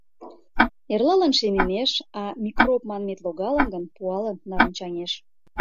Эрлалан шемемеш, а микроб манмет логалын гын, пуалын нарынчаҥеш.